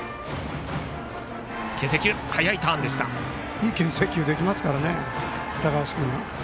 いいけん制球できますから高橋君は。